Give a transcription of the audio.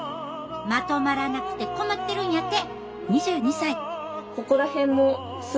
まとまらなくて困ってるんやて。